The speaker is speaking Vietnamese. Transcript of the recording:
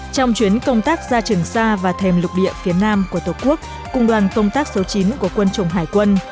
trong chuyến công tác ra trường sa và thềm lục địa phía nam của tổ quốc cùng đoàn công tác số chín của quân chủng hải quân